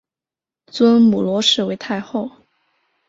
尊母罗氏为太后。